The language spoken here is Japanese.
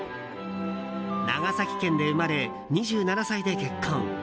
長崎県で生まれ、２７歳で結婚。